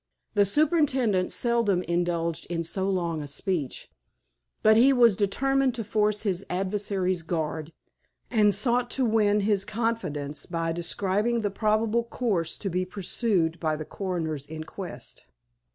The superintendent seldom indulged in so long a speech, but he was determined to force his adversary's guard, and sought to win his confidence by describing the probable course to be pursued by the coroner's inquest.